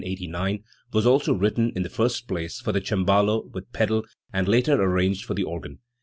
289) was also written in the first place for the cembalo with pedal, and later arranged for the organ.